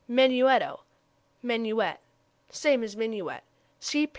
Menuetto, menuet same as minuet. (See p.